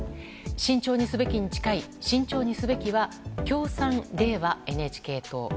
慎重にすべきに近い慎重にすべきは共産、れいわ、ＮＨＫ党。